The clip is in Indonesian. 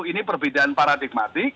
ini perbedaan paradigmatik